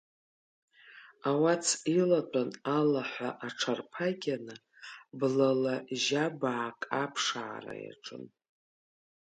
Ауац илатәан алаҳәа аҽырԥагьаны, блала жьабаак аԥшаара иаҿын.